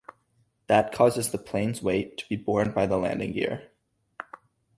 That causes the plane's weight to be borne by the landing gear.